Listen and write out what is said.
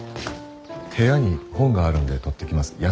部屋に本があるんで取ってきます。